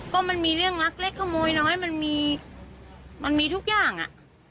ก็มันมีเรื่องลักเล็กขโมยน้อยมันมีมันมีทุกอย่างอ่ะ